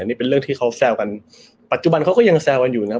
นี่เป็นเรื่องที่เขาแซวกันปัจจุบันเขาก็ยังแซวกันอยู่นะครับ